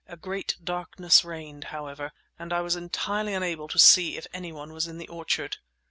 A great darkness reigned, however, and I was entirely unable to see if any one was in the orchard.